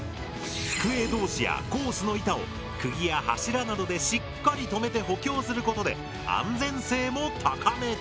机同士やコースの板をくぎや柱などでしっかりとめて補強することで安全性も高めた。